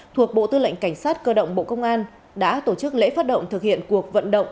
thuộc bộ tư lệnh cảnh sát cơ động bộ công an đã tổ chức lễ phát động thực hiện cuộc vận động